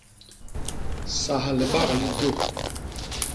Sas libak li jô.